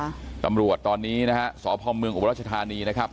ตำรวจตอนนี้นะฮะสพเมืองอุบรัชธานีนะครับ